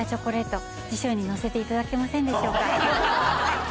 載せていただけませんでしょうか。